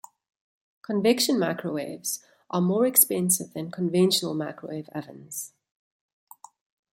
Convection microwaves are more expensive than conventional microwave ovens.